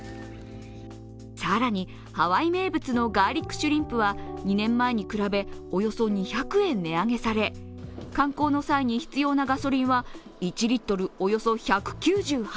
更に、ハワイ名物のガーリックシュリンプは２年前に比べ、およそ２００円値上げされ観光の際に必要なガソリンは１リットルおよそ１９８円。